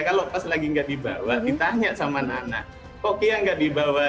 kalau pas lagi nggak dibawa ditanya sama anak anak kok kia nggak dibawa